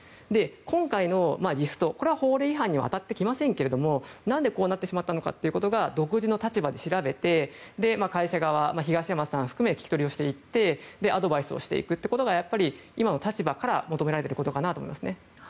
今回のリスト、これは法令違反に当たってきませんが何でこうなってしまったのかを独自の立場で調べて会社側、東山さんを含めて聞き取りをしていってアドバイスしていくことが今の立場から求められていることかなと思いますね。